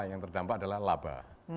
yang terdampak adalah laba